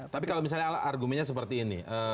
tapi kalau misalnya argumennya seperti ini